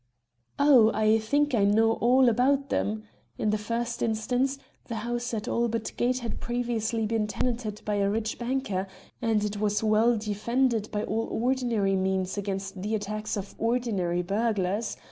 "Oh, I think I know all about them. In the first instance, the house at Albert Gate had previously been tenanted by a rich banker, and it was well defended by all ordinary means against the attacks of ordinary burglars.